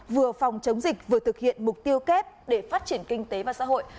vừa phòng chống dịch vừa thực hiện mục tiêu kép để phát triển kinh tế và xã hội